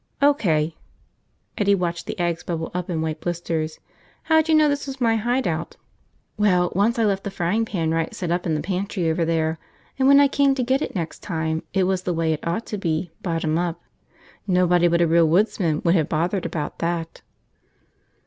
"O.K." Eddie watched the eggs bubble up in white blisters. "How'd you know this was my hide out?" "Well, once I left the frying pan right side up in the pantry over there, and when I came to get it next time, it was the way it ought to be, bottom up. Nobody but a real woodsman would have bothered about that."